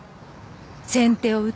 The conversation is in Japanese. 先手を打つ。